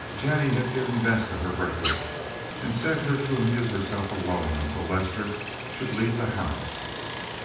Jennie had given Vesta her breakfast, and set her to amuse herself alone until Lester should leave the house.